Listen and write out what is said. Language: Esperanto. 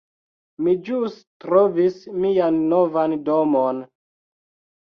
Mi ĵus trovis mian novan domon